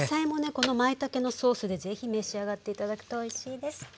このまいたけのソースで是非召し上がって頂くとおいしいです。